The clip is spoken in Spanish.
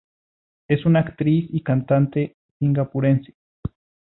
Es una actriz y cantante singapurense.